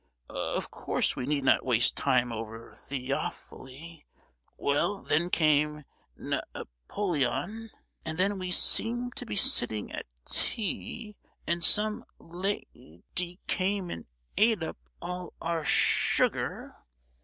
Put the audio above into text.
"Of course we need not waste time over The—ophile. Well—then came Na—poleon; and then we seemed to be sitting at tea, and some la—dy came and ate up all our su—gar!"